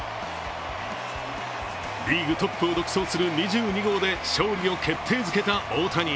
リーグトップを独走する２２号で勝利を決定づけた大谷。